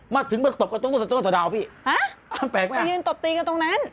มาถึงมาตบกับต้นสะดาวพี่แปลกมั้ยตบตีกับตรงนั้น